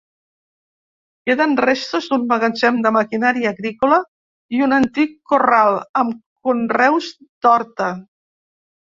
Queden restes d'un magatzem de maquinària agrícola i un antic corral, amb conreus d'horta.